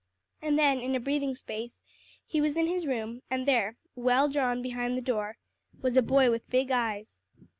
And then, in a breathing space he was in his room, and there, well drawn behind the door, was a boy with big eyes.